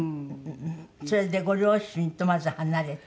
それでご両親とまず離れて。